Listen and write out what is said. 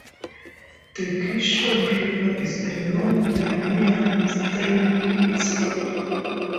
The Kishon River is a -long perennial stream in Israel.